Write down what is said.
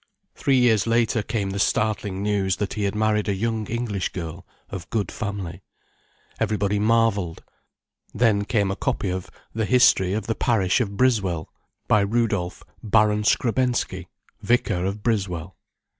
Three years later came the startling news that he had married a young English girl of good family. Everybody marvelled. Then came a copy of "The History of the Parish of Briswell, by Rudolph, Baron Skrebensky, Vicar of Briswell."